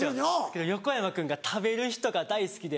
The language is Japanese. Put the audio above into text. けど横山君が食べる人が大好きで。